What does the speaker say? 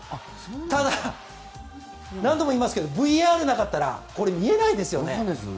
ただ、何度も言いますけどＶＡＲがなかったらこれは見えないですよね。